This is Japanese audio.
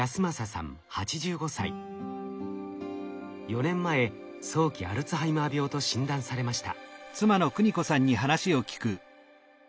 ４年前早期アルツハイマー病と診断されました。